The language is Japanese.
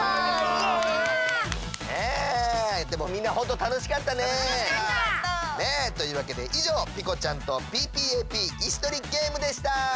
たのしかった！ねえ！というわけでいじょうピコちゃんとＰＰＡＰイスとりゲームでした！